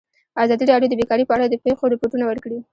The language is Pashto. ازادي راډیو د بیکاري په اړه د پېښو رپوټونه ورکړي.